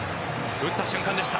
打った瞬間でした。